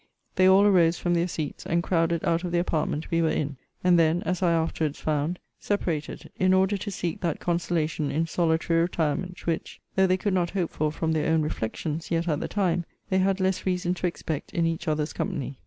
They all arose from their seats, and crowded out of the apartment we were in; and then, as I afterwards found, separated, in order to seek that consolation in solitary retirement, which, though they could not hope for from their own reflections, yet, at the time, they had less reason to expect in each other's company.